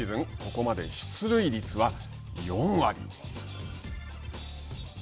ここまで出塁率は４割。